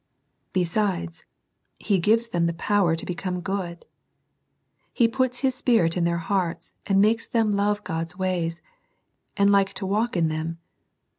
Besides, He gives them power to become good. He puts His Spirit in their hearts, and makes them love God's ways, and like to walk in them.